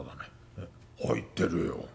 え入ってるよ。